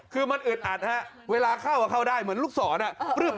คือมันอึดอัดฮะเวลาเข้าเข้าได้เหมือนลูกศรอ่ะ